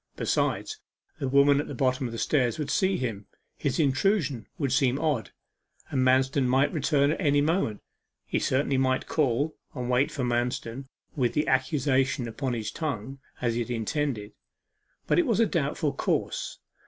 Besides, the women at the bottom of the stairs would see him his intrusion would seem odd and Manston might return at any moment. He certainly might call, and wait for Manston with the accusation upon his tongue, as he had intended. But it was a doubtful course.